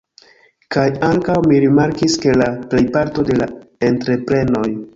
Kaj ankaŭ mi rimarkis ke la plejparto de la entreprenoj